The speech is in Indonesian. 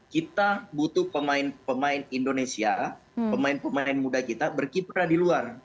kita butuh pemain pemain indonesia pemain pemain muda kita berkiprah di luar